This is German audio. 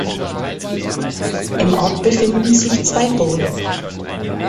Im Ort befinden sich zwei Burgen.